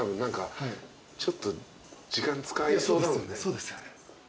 そうですよね。